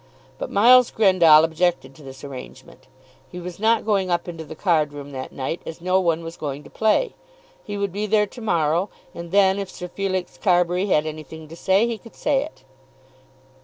But Miles Grendall objected to this arrangement. He was not going up into the card room that night, as no one was going to play. He would be there to morrow, and then if Sir Felix Carbury had anything to say, he could say it.